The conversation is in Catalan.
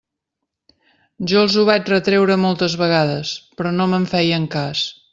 Jo els ho vaig retreure moltes vegades, però no me'n feien cas.